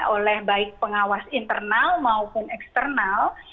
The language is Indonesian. oleh baik pengawas internal maupun eksternal